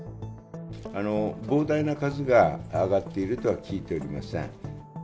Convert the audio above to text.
膨大な数が上がっているとは聞いておりません。